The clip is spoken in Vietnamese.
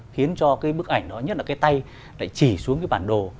khiến cho cái bức ảnh đó nhất là cái tay lại chỉ xuống cái bản đồ